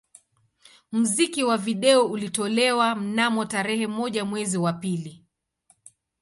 Muziki wa video ulitolewa mnamo tarehe moja mwezi wa pili